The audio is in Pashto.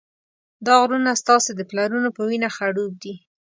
دا غرونه ستاسې د پلرونو په وینه خړوب دي.